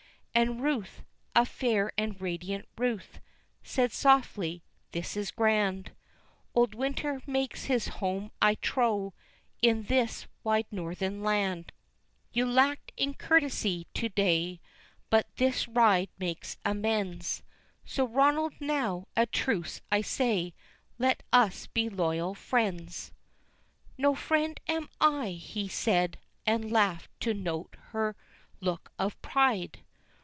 And Ruth, a fair and radiant Ruth, said softly "This is grand; Old winter makes his home I trow, in this wide northern land, You lacked in courtesy to day, but this ride makes amends, So Ronald now, a truce, I say; let us be loyal friends." "No friend am I," he said, and laughed to note her look of pride!